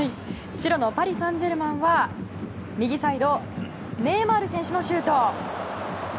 白のパリ・サンジェルマンは右サイドネイマール選手のシュート。